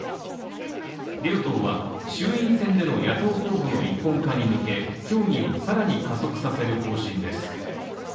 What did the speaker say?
両党は、衆院選での野党候補の一本化に向け協議をさらに加速させる方針です。